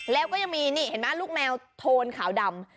แล้วก็ยังมีนี่เห็นไหมลูกแมวโทนขาวดำ